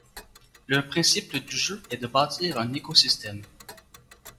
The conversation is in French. Le principe du jeu est de bâtir un écosystème.